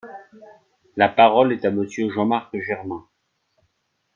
La parole est à Monsieur Jean-Marc Germain.